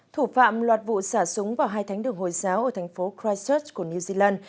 thủ phạm loạt vụ xả súng vào hai thánh đường hồi giáo ở thành phố krasus của new zealand